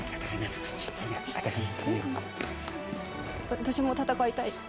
私も戦いたい。